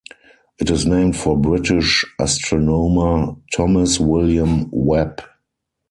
It is named for British astronomer Thomas William Webb.